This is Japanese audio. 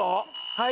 はい。